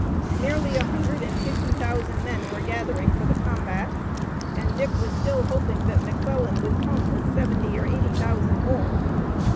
Nearly a hundred and fifty thousand men were gathering for the combat, and Dick was still hoping that McClellan would come with seventy or eighty thousand more.